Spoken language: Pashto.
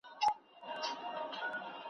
د قبر سرته په خلوت کي یو شین سترګی مرشد ,